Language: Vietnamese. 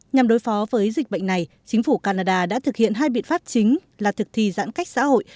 nhằm đối phó với dịch bệnh này chính phủ canada đã thực hiện hai biện pháp chính là thực thi giãn cách xã hội